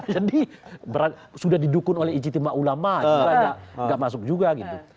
jadi sudah didukung oleh ijitimak ulama juga nggak masuk juga gitu